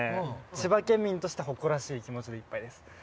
千葉県民として誇らしい気持ちでいっぱいです。